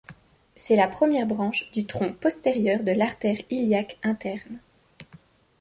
C'est la première branche du tronc postérieur de l'artère iliaque interne.